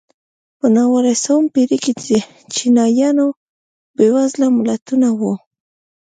په نولسمې پېړۍ کې چینایان بېوزله ملتونه وو.